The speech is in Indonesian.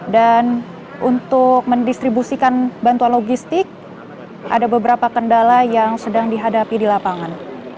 dan untuk mendistribusikan bantuan logistik ada beberapa kendala yang sedang dihadapi di lapangan